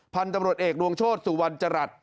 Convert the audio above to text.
พันธุ์ตำรวจเอกดวงโชธสุวรรณจรัส